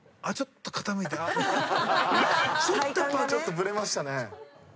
ちょっとブレましたね。